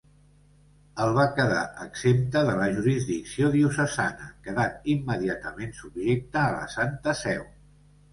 El va quedar exempta de la jurisdicció diocesana, quedant immediatament subjecta a la Santa Seu.